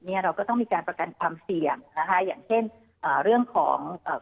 เนี่ยเราก็ต้องมีการประกันความเสี่ยงนะคะอย่างเช่นเรื่องของ